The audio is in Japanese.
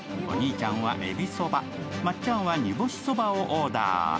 お兄ちゃんはえびそばまっちゃんは煮干しそばをオーダー。